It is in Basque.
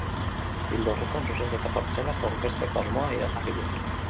Ildo horretan, zuzenketa partzialak aurkezteko asmoa iragarri du.